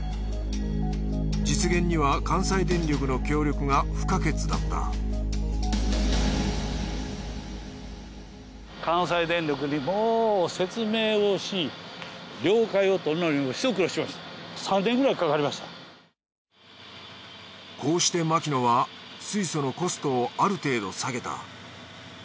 実現には関西電力の協力が不可欠だったこうして牧野は水素のコストをある程度下げた。